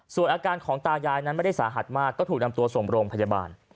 ส่วนอาการของตายายนั้นไม่ได้สาหัสมากก็ถูกนำตัวส่งโรงพยาบาล